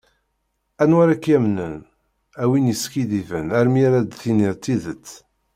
Anwa ara ak-yamnen, a win yeskiddiben, asmi ara d-tiniḍ tidet.